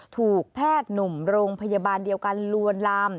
ถูกแพทย์หนุ่มโรงพยาบาลเดียวกันลวนลาม